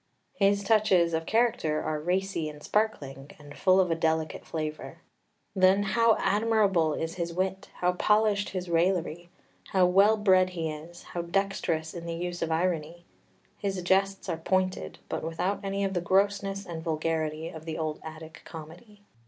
His touches of character are racy and sparkling, and full of a delicate flavour. Then how admirable is his wit, how polished his raillery! How well bred he is, how dexterous in the use of irony! His jests are pointed, but without any of the grossness and vulgarity of the old Attic comedy.